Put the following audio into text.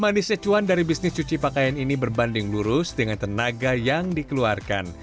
manisnya cuan dari bisnis cuci pakaian ini berbanding lurus dengan tenaga yang dikeluarkan